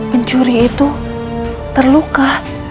pencuri itu terluka